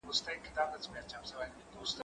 زه پرون مځکي ته وکتل،